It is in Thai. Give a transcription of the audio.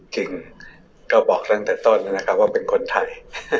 จริงก็บอกตั้งแต่ต้นนะครับว่าเป็นคนไทย